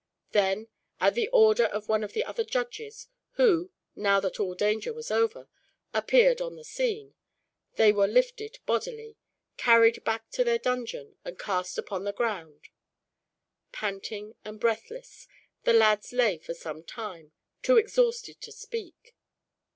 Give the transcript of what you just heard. Then, at the order of one of the other judges; who, now that all danger was over, appeared upon the scene, they were lifted bodily, carried back to their dungeon, and cast upon the ground. Panting and breathless, the lads lay for some time, too exhausted to speak.